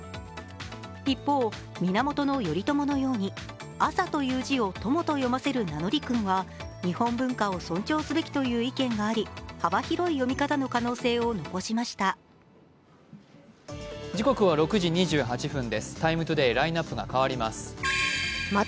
一方、源頼朝のように「朝」という字を「とも」と読ませる名乗り訓は日本文化を尊重すべきという意見があり、幅広い読み方の可能性を残しました。